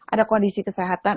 ada kondisi kesehatan